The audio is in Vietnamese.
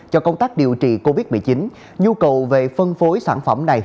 cho công tác điều trị covid một mươi chín nhu cầu về phân phối sản phẩm này